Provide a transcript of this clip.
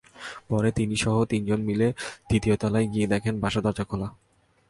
পরে তিনিসহ তিনজন মিলে দ্বিতীয় তলায় গিয়ে দেখেন বাসার দরজা খোলা।